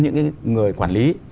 những người quản lý